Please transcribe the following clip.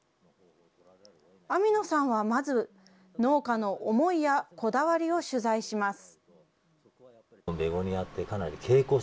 網野さんはまず、農家の思いやこだわりを取材します。